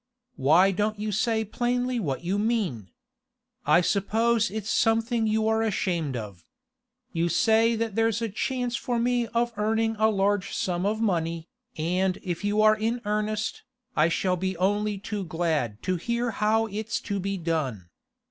Why don't you say plainly what you mean? I suppose it's something you are ashamed of. You say that there's a chance for me of earning a large sum of money, and if you are in earnest, I shall be only too glad to hear how it's to be done.